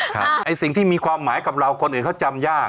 ตัวที่มีความหมายกับเราคนอื่นก็จำยาก